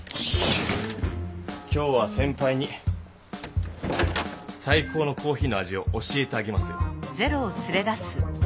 今日はせんぱいにさい高のコーヒーの味を教えてあげますよ。